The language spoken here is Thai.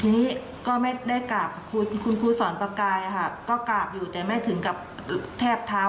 ทีนี้ก็ไม่ได้กราบคุณครูสอนประกายค่ะก็กราบอยู่แต่แม่ถึงกับแทบเท้า